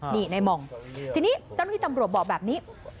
นี่ในหม่องทีนี้เจ้าหน้าที่ตำรวจบอกแบบนี้